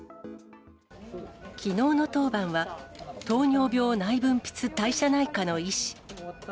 きのうの当番は、糖尿病、内分泌、代謝内科の医師。